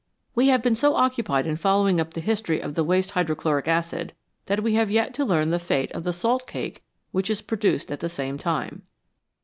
We have been so occupied in following up the history of the waste hydrochloric acid that we have yet to learn the fate of the salt cake which is produced at the same time.